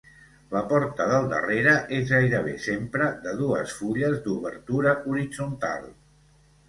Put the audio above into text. La porta del darrere és gairebé sempre de dues fulles d'obertura horitzontal.